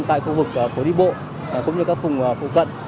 tại khu vực phố đi bộ cũng như các vùng phụ cận